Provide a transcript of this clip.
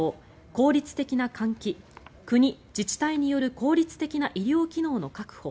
効率的な換気国・自治体による効率的な医療機能の確保